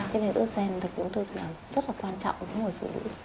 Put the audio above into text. thế nên estrogen cũng rất là quan trọng với người phụ nữ